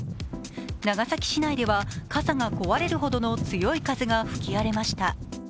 長崎市内では傘が壊れるほどの強い風が吹き荒れました。